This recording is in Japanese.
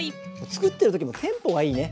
作ってる時もテンポがいいね。